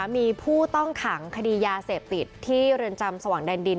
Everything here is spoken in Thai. มีผู้ต้องขังคดียาเสพติดที่เรือนจำสว่างแดนดิน